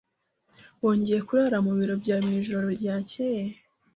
Wongeye kurara mu biro byawe mwijoro ryakeye?